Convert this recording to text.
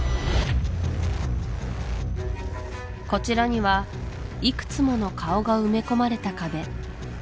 こちらにはいくつもの顔が埋め込まれた壁